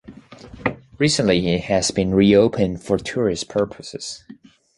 Recently it has been reopened for tourist purposes.